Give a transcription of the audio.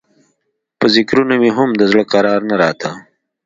په ذکرونو مې هم د زړه کرار نه راته.